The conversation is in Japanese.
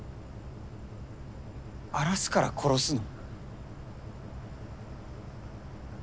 荒らすから殺すの？